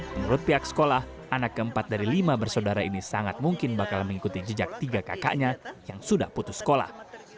menurut pihak sekolah anak keempat dari lima bersaudara ini sangat mungkin bakal mengikuti jejak tiga kakaknya yang sudah putus sekolah